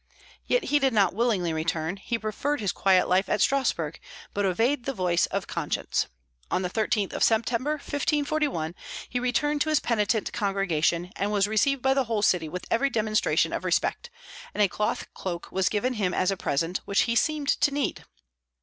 Yet he did not willingly return; he preferred his quiet life at Strasburg, but obeyed the voice of conscience. On the 13th of September, 1541, he returned to his penitent congregation, and was received by the whole city with every demonstration of respect; and a cloth cloak was given him as a present, which he seemed to need.